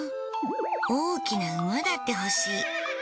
大きな馬だって欲しい。